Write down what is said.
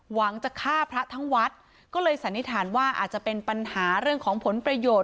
หวังจะฆ่าพระทั้งวัดก็เลยสันนิษฐานว่าอาจจะเป็นปัญหาเรื่องของผลประโยชน์